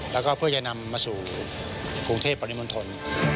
แล้วก็เพื่อจะนำมาสู่กรุงเทพปริมณฑล